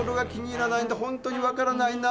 本当に分からないな。